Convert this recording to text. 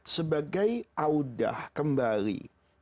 sebagai audha kembali